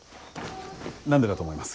何でだと思います？